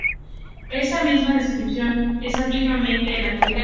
Esa misma descripción es aplicable en la actualidad.